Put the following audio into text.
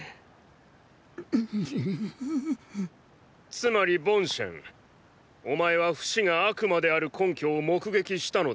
つまりボンシェンお前はフシが悪魔である根拠を目撃したのだな。